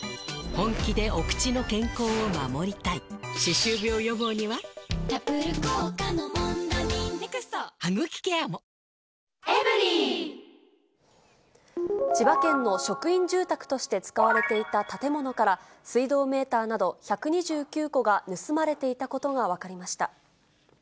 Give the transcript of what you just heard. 捨てずに最後まで使えるねっ千葉県の職員住宅として使われていた建物から、水道メーターなど、１２９個が盗まれていたことが分かりました。